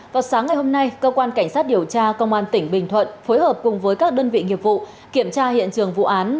vào sáng ngày hôm nay cơ quan cảnh sát điều tra công an tỉnh bình thuận phối hợp cùng với các đơn vị nghiệp vụ kiểm tra hiện trường vụ án